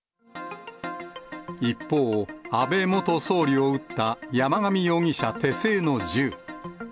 一方、安倍元総理を撃った山上容疑者手製の銃。